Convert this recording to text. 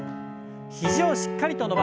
肘をしっかりと伸ばして。